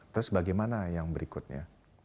terus bagaimana yang berikutnya